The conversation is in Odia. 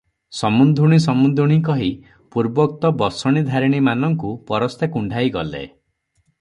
'ସମୁନ୍ଧୁଣୀ ସମୁନ୍ଧୁଣୀ' କହି ପୂର୍ବୋକ୍ତ ବସଣିଧାରିଣୀମାନଙ୍କୁ ପରସ୍ତେ କୁଣ୍ଢାଇଗଲେ ।